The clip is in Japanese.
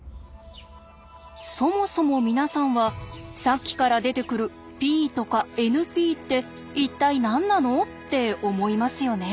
そもそも皆さんはさっきから出てくるＰとかＮＰって一体何なの？って思いますよね。